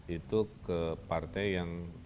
itu ke partai yang